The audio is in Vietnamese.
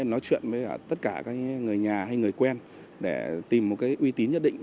nói chuyện với tất cả người nhà hay người quen để tìm một uy tín nhất định